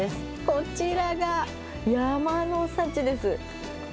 こちらが山の幸です。